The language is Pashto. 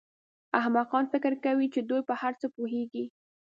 احمقان فکر کوي چې دوی په هر څه پوهېږي.